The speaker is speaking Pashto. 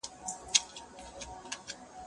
انځور وګوره؟